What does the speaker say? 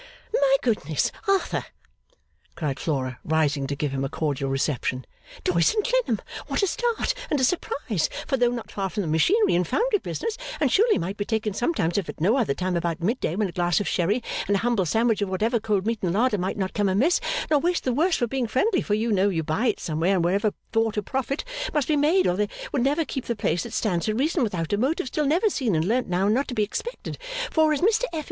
'My goodness Arthur!' cried Flora, rising to give him a cordial reception, 'Doyce and Clennam what a start and a surprise for though not far from the machinery and foundry business and surely might be taken sometimes if at no other time about mid day when a glass of sherry and a humble sandwich of whatever cold meat in the larder might not come amiss nor taste the worse for being friendly for you know you buy it somewhere and wherever bought a profit must be made or they would never keep the place it stands to reason without a motive still never seen and learnt now not to be expected, for as Mr F.